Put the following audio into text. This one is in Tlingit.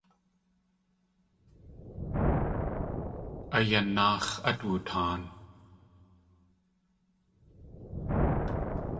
A yanáax̲ at wootaan.